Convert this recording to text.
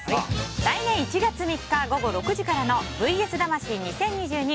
来年１月３日午後６時からの「ＶＳ魂２０２２